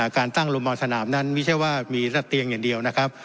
การตั้งลงมาสนามนั้นไม่ใช่ว่ามีแต่เตียงอย่างเดียวนะครับ